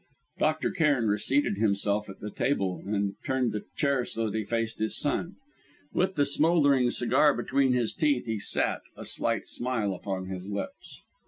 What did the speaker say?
Dr. Cairn reseated himself at the table, and turned the chair so that he faced his son. With the smouldering cigar between his teeth, he sat, a slight smile upon his lips.